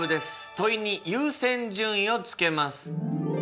問いに優先順位をつけます。